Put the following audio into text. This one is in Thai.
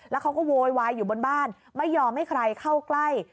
แล้วเขาก็โวยวายอยู่บนบ้านไม่ยอมให้ใครเข้าใกล้